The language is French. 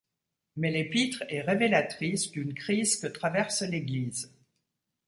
Mais l'épître est révélatrice d'une crise que traverse l'Église.